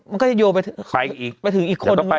มันก็จะโยไปถึงอีกคน